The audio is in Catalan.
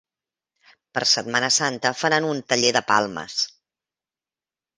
Per setmana santa faran un taller de palmes.